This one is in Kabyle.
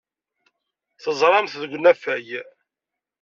Teẓram-t deg unafag.